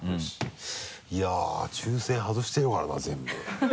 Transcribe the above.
いやぁ抽選外してるからな全部。